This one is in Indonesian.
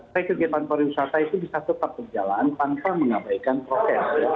pekerjaan pariwisata itu bisa tetap berjalan tanpa mengabaikan proses